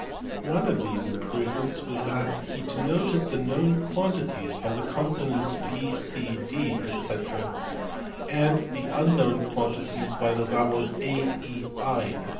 One of these improvements was that he denoted the known quantities by the consonants B, (7, D <fec. and the unknown quantities by the vowels A, E, I &c.